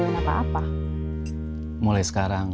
saya enggak akan melawan takdirnya